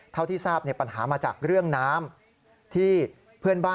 เท่าที่ทราบปัญหามาจากเรื่องน้ำ